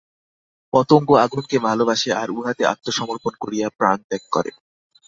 পতঙ্গ আগুনকে ভালবাসে, আর উহাতে আত্মসমর্পণ করিয়া প্রাণত্যাগ করে।